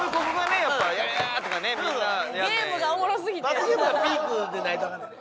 罰ゲームがピークでないとアカンねんで。